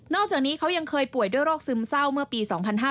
อกจากนี้เขายังเคยป่วยด้วยโรคซึมเศร้าเมื่อปี๒๕๕๙